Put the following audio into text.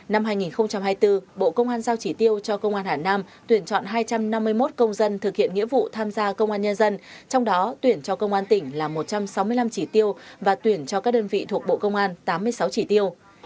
năm hai nghìn hai mươi bốn bộ công an giao chỉ tiêu cho công an hà nam tuyển chọn hai trăm năm mươi một công dân thực hiện nghĩa vụ tham gia công an nhân dân trong đó tuyển cho công an tỉnh là một trăm sáu mươi năm chỉ tiêu và tuyển cho các đơn vị thuộc bộ công an tám mươi sáu chỉ tiêu